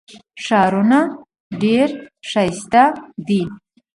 ښارونه ډېر ښایسته دي.